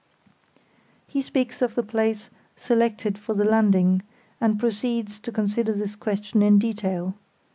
] He speaks of the place "selected for the landing", and proceeds to consider this question in detail.